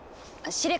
司令官。